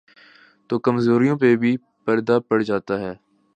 تو کمزوریوں پہ بھی پردہ پڑ جاتاہے۔